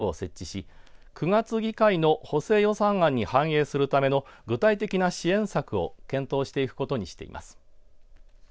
物価の高騰に対応するため青森県はきょう対策本部を設置し９月議会の補正予算案に反映するための具体的な支援策を検討していくことにしています。